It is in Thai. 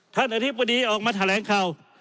อธิบดีออกมาแถลงข่าว